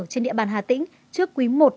trên địa bàn hà tĩnh trước quý i